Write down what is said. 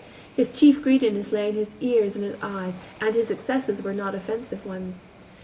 His chief greediness lay in his ears and eyes, and his excesses were not offensive ones.